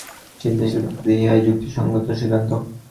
চিন্তাশীল ব্যক্তিদের ইহাই যুক্তিসঙ্গত সিদ্ধান্ত।